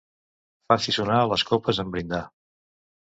Faci sonar les copes en brindar.